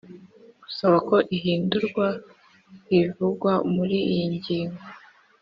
Gusaba ko ihindurwa rivugwa muri iyi ngingo